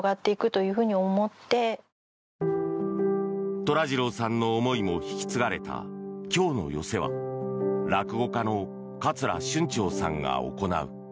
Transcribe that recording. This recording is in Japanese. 寅次郎さんの思いも引き継がれた、今日の寄席は落語家の桂春蝶さんが行う。